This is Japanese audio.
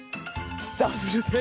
ダブルで。